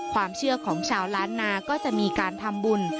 ความเชื่อของชาวล้านนาก็จะมีการทำบุญ